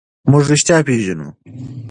موږ رښتیا پېژنو.